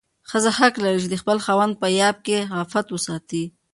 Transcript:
ښځه حق لري چې د خپل خاوند په غياب کې عفت وساتي.